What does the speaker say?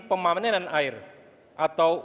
pemanenan air atau